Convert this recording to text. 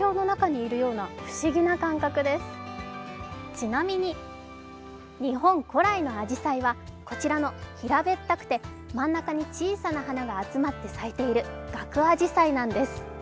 ちなみに、日本古来のあじさいは、こちらの平べったくて真ん中に小さな花が集まって咲いているガクアジサイなんです。